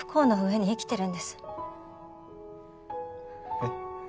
えっ？